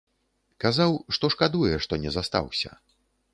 Казаў, што шкадуе, што не застаўся.